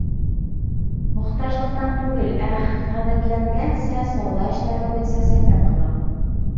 Мохтажлыҡтан түгел, ә ғәҙәтләнгәнсә, сауҙа эштәре буйынса сәфәр ҡылам.